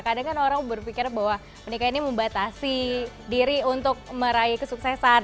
kadang kan orang berpikir bahwa menikah ini membatasi diri untuk meraih kesuksesan